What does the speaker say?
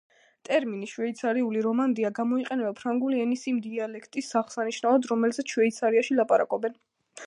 ტერმინი „შვეიცარიული რომანდია“ გამოიყენება ფრანგული ენის იმ დიალექტის აღსანიშნავად, რომელზეც შვეიცარიაში ლაპარაკობენ.